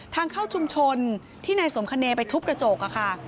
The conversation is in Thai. ทางเข้าชุมชนที่นายสมคเนย์ไปทุบกระจกค่ะ